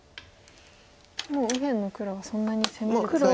もう右辺の黒はそんなに攻めるつもりない。